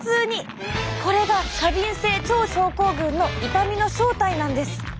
これが過敏性腸症候群の痛みの正体なんです！